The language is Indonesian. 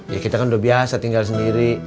ya kita kan udah biasa tinggal sendiri